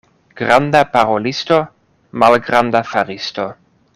Granda parolisto, malgranda faristo.